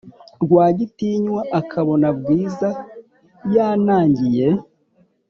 Rwagitinywa akabona bwiza yanangiye